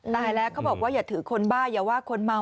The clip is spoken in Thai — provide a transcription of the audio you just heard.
ตายแล้วเขาบอกว่าอย่าถือคนบ้าอย่าว่าคนเมา